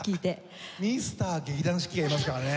ミスター劇団四季がいますからね。